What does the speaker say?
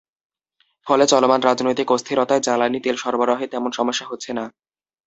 ফলে চলমান রাজনৈতিক অস্থিরতায় জ্বালানি তেল সরবরাহে তেমন সমস্যা হচ্ছে না।